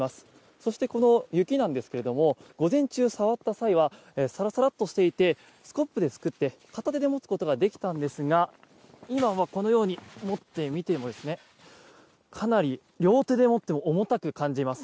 そして、この雪なんですけども午前中、触った際はサラサラとしていてスコップですくって片手で持つことができたんですが今はこのように、持ってみてもかなり両手で持っても重たく感じます。